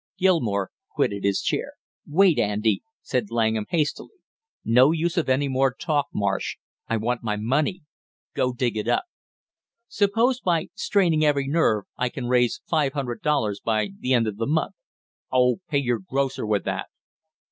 Gilmore quitted his chair. "Wait, Andy!" said Langham hastily. "No use of any more talk, Marsh, I want my money! Go dig it up." "Suppose, by straining every nerve, I can raise five hundred dollars by the end of the month " "Oh, pay your grocer with that!"